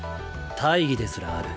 大義ですらある。